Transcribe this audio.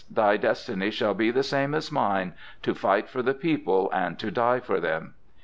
Thy destiny shall be the same as mine—to fight for the people, and to die for them."